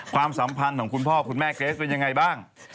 ความสัมพันธ์ของคุณพ่อคุณแม่เกรสเป็นยังไงบ้าง